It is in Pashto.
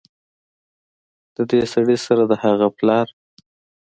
ددې سړي سره د هغه پلار